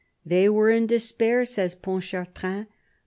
" They were in despair," says Pontchartrain.